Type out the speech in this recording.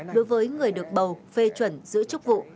đối với người được bầu phê chuẩn giữ chức vụ